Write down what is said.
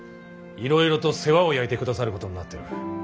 いろいろと世話を焼いてくださることになっておる。